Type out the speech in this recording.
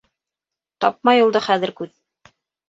Тапмай юлды хәҙер күҙ.